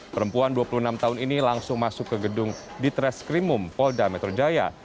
perempuan dua puluh enam tahun ini langsung masuk ke gedung di treskrimum polda metro jaya